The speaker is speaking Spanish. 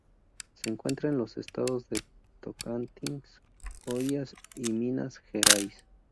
Se encuentra en los estados de Tocantins, Goiás y Minas Gerais.